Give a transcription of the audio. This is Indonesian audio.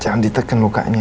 jangan diteken lukanya